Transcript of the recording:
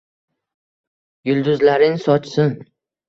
Yulduzlarin sochsin